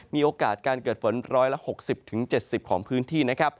มีโอกาสเกิดฝนพื้นฟ้นร้อยละ๖๐ถึง๗๐ของพื้นที่